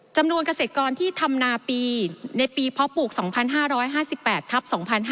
จำนวนเกษตรกรที่ธำนาปีในปีพอปลูก๒๕๕๘ทับ๒๕๕๙